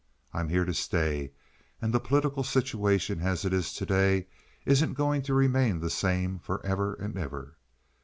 I'm here to stay, and the political situation as it is to day isn't going to remain the same forever and ever.